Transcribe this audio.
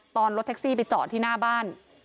รถแท็กซี่ไปจอดที่หน้าบ้าน